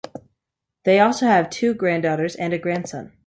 They also have two granddaughters and a grandson.